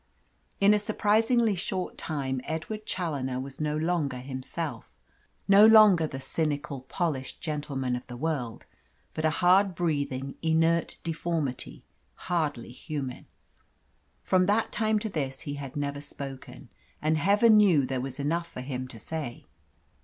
In a surprisingly short time Edward Challoner was no longer himself no longer the cynical, polished gentleman of the world but a hard breathing, inert deformity, hardly human. From that time to this he had never spoken, and Heaven knew there was enough for him to say.